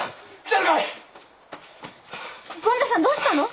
権三さんどうしたの？